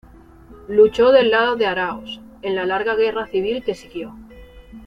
Luchó del lado de Aráoz en la larga guerra civil que siguió.